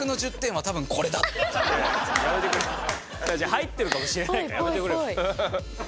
入ってるかもしれないからやめてくれよ。